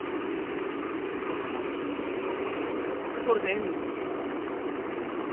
父さんはそれでえんですか？